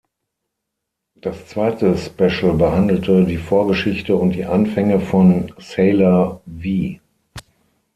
Das zweite Special behandelte die Vorgeschichte und die Anfänge von "Sailor V".